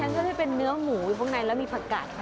ทั้งที่จะได้เป็นเนื้อหมูอยู่ข้างในแล้วมีผักกาดเหรอ